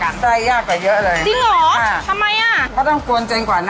สูบเสร็จแล้วเราก็จะใส่หอมใหญ่